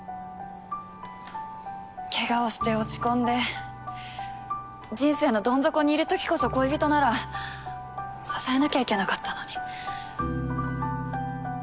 けがをして落ち込んで人生のどん底にいるときこそ恋人なら支えなきゃいけなかったのに。